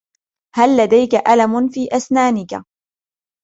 هل لديك الم في اسنانك